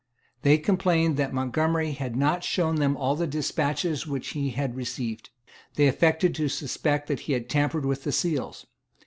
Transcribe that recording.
They complained that Montgomery had not shown them all the despatches which he had received. They affected to suspect that he had tampered with the seals.